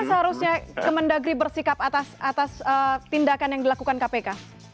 seharusnya kemendagri bersikap atas tindakan yang dilakukan kpk